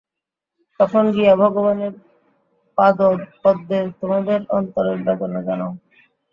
তখন গিয়া ভগবানের পাদপদ্মে তোমাদের অন্তরের বেদনা জানাও।